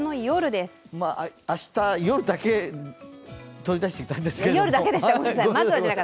明日、夜だけ取り出してきたんですが。